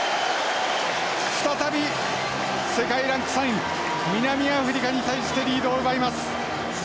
再び世界ランク３位南アフリカに対してリードを奪います。